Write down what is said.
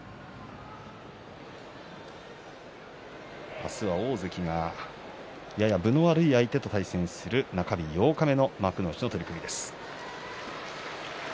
明日は大関がやや分の悪い相手と対戦する中日八日目の幕内の取組です。